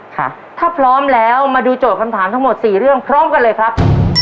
ถ้าพร้อมแล้วมาดูโจทย์คำถามทั้งหมดสี่เรื่องพร้อมกันเลยครับ